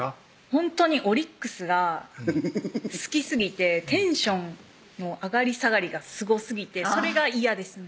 ほんとにオリックスが好きすぎてテンションの上がり下がりがすごすぎてそれが嫌ですね